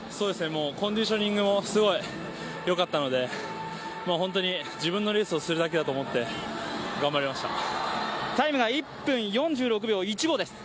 コンディショニングもすごいよかったのでもう自分のレースをするだけだと思ってタイムが１分４６秒１５です。